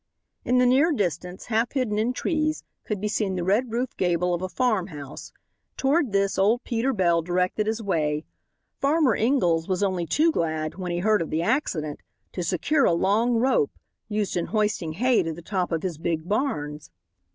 In the near distance, half hidden in trees, could be seen the red roofed gable of a farm house. Toward this old Peter Bell directed his way. Farmer Ingalls was only too glad, when he heard of the accident, to secure a long rope, used in hoisting hay to the top of his big barns.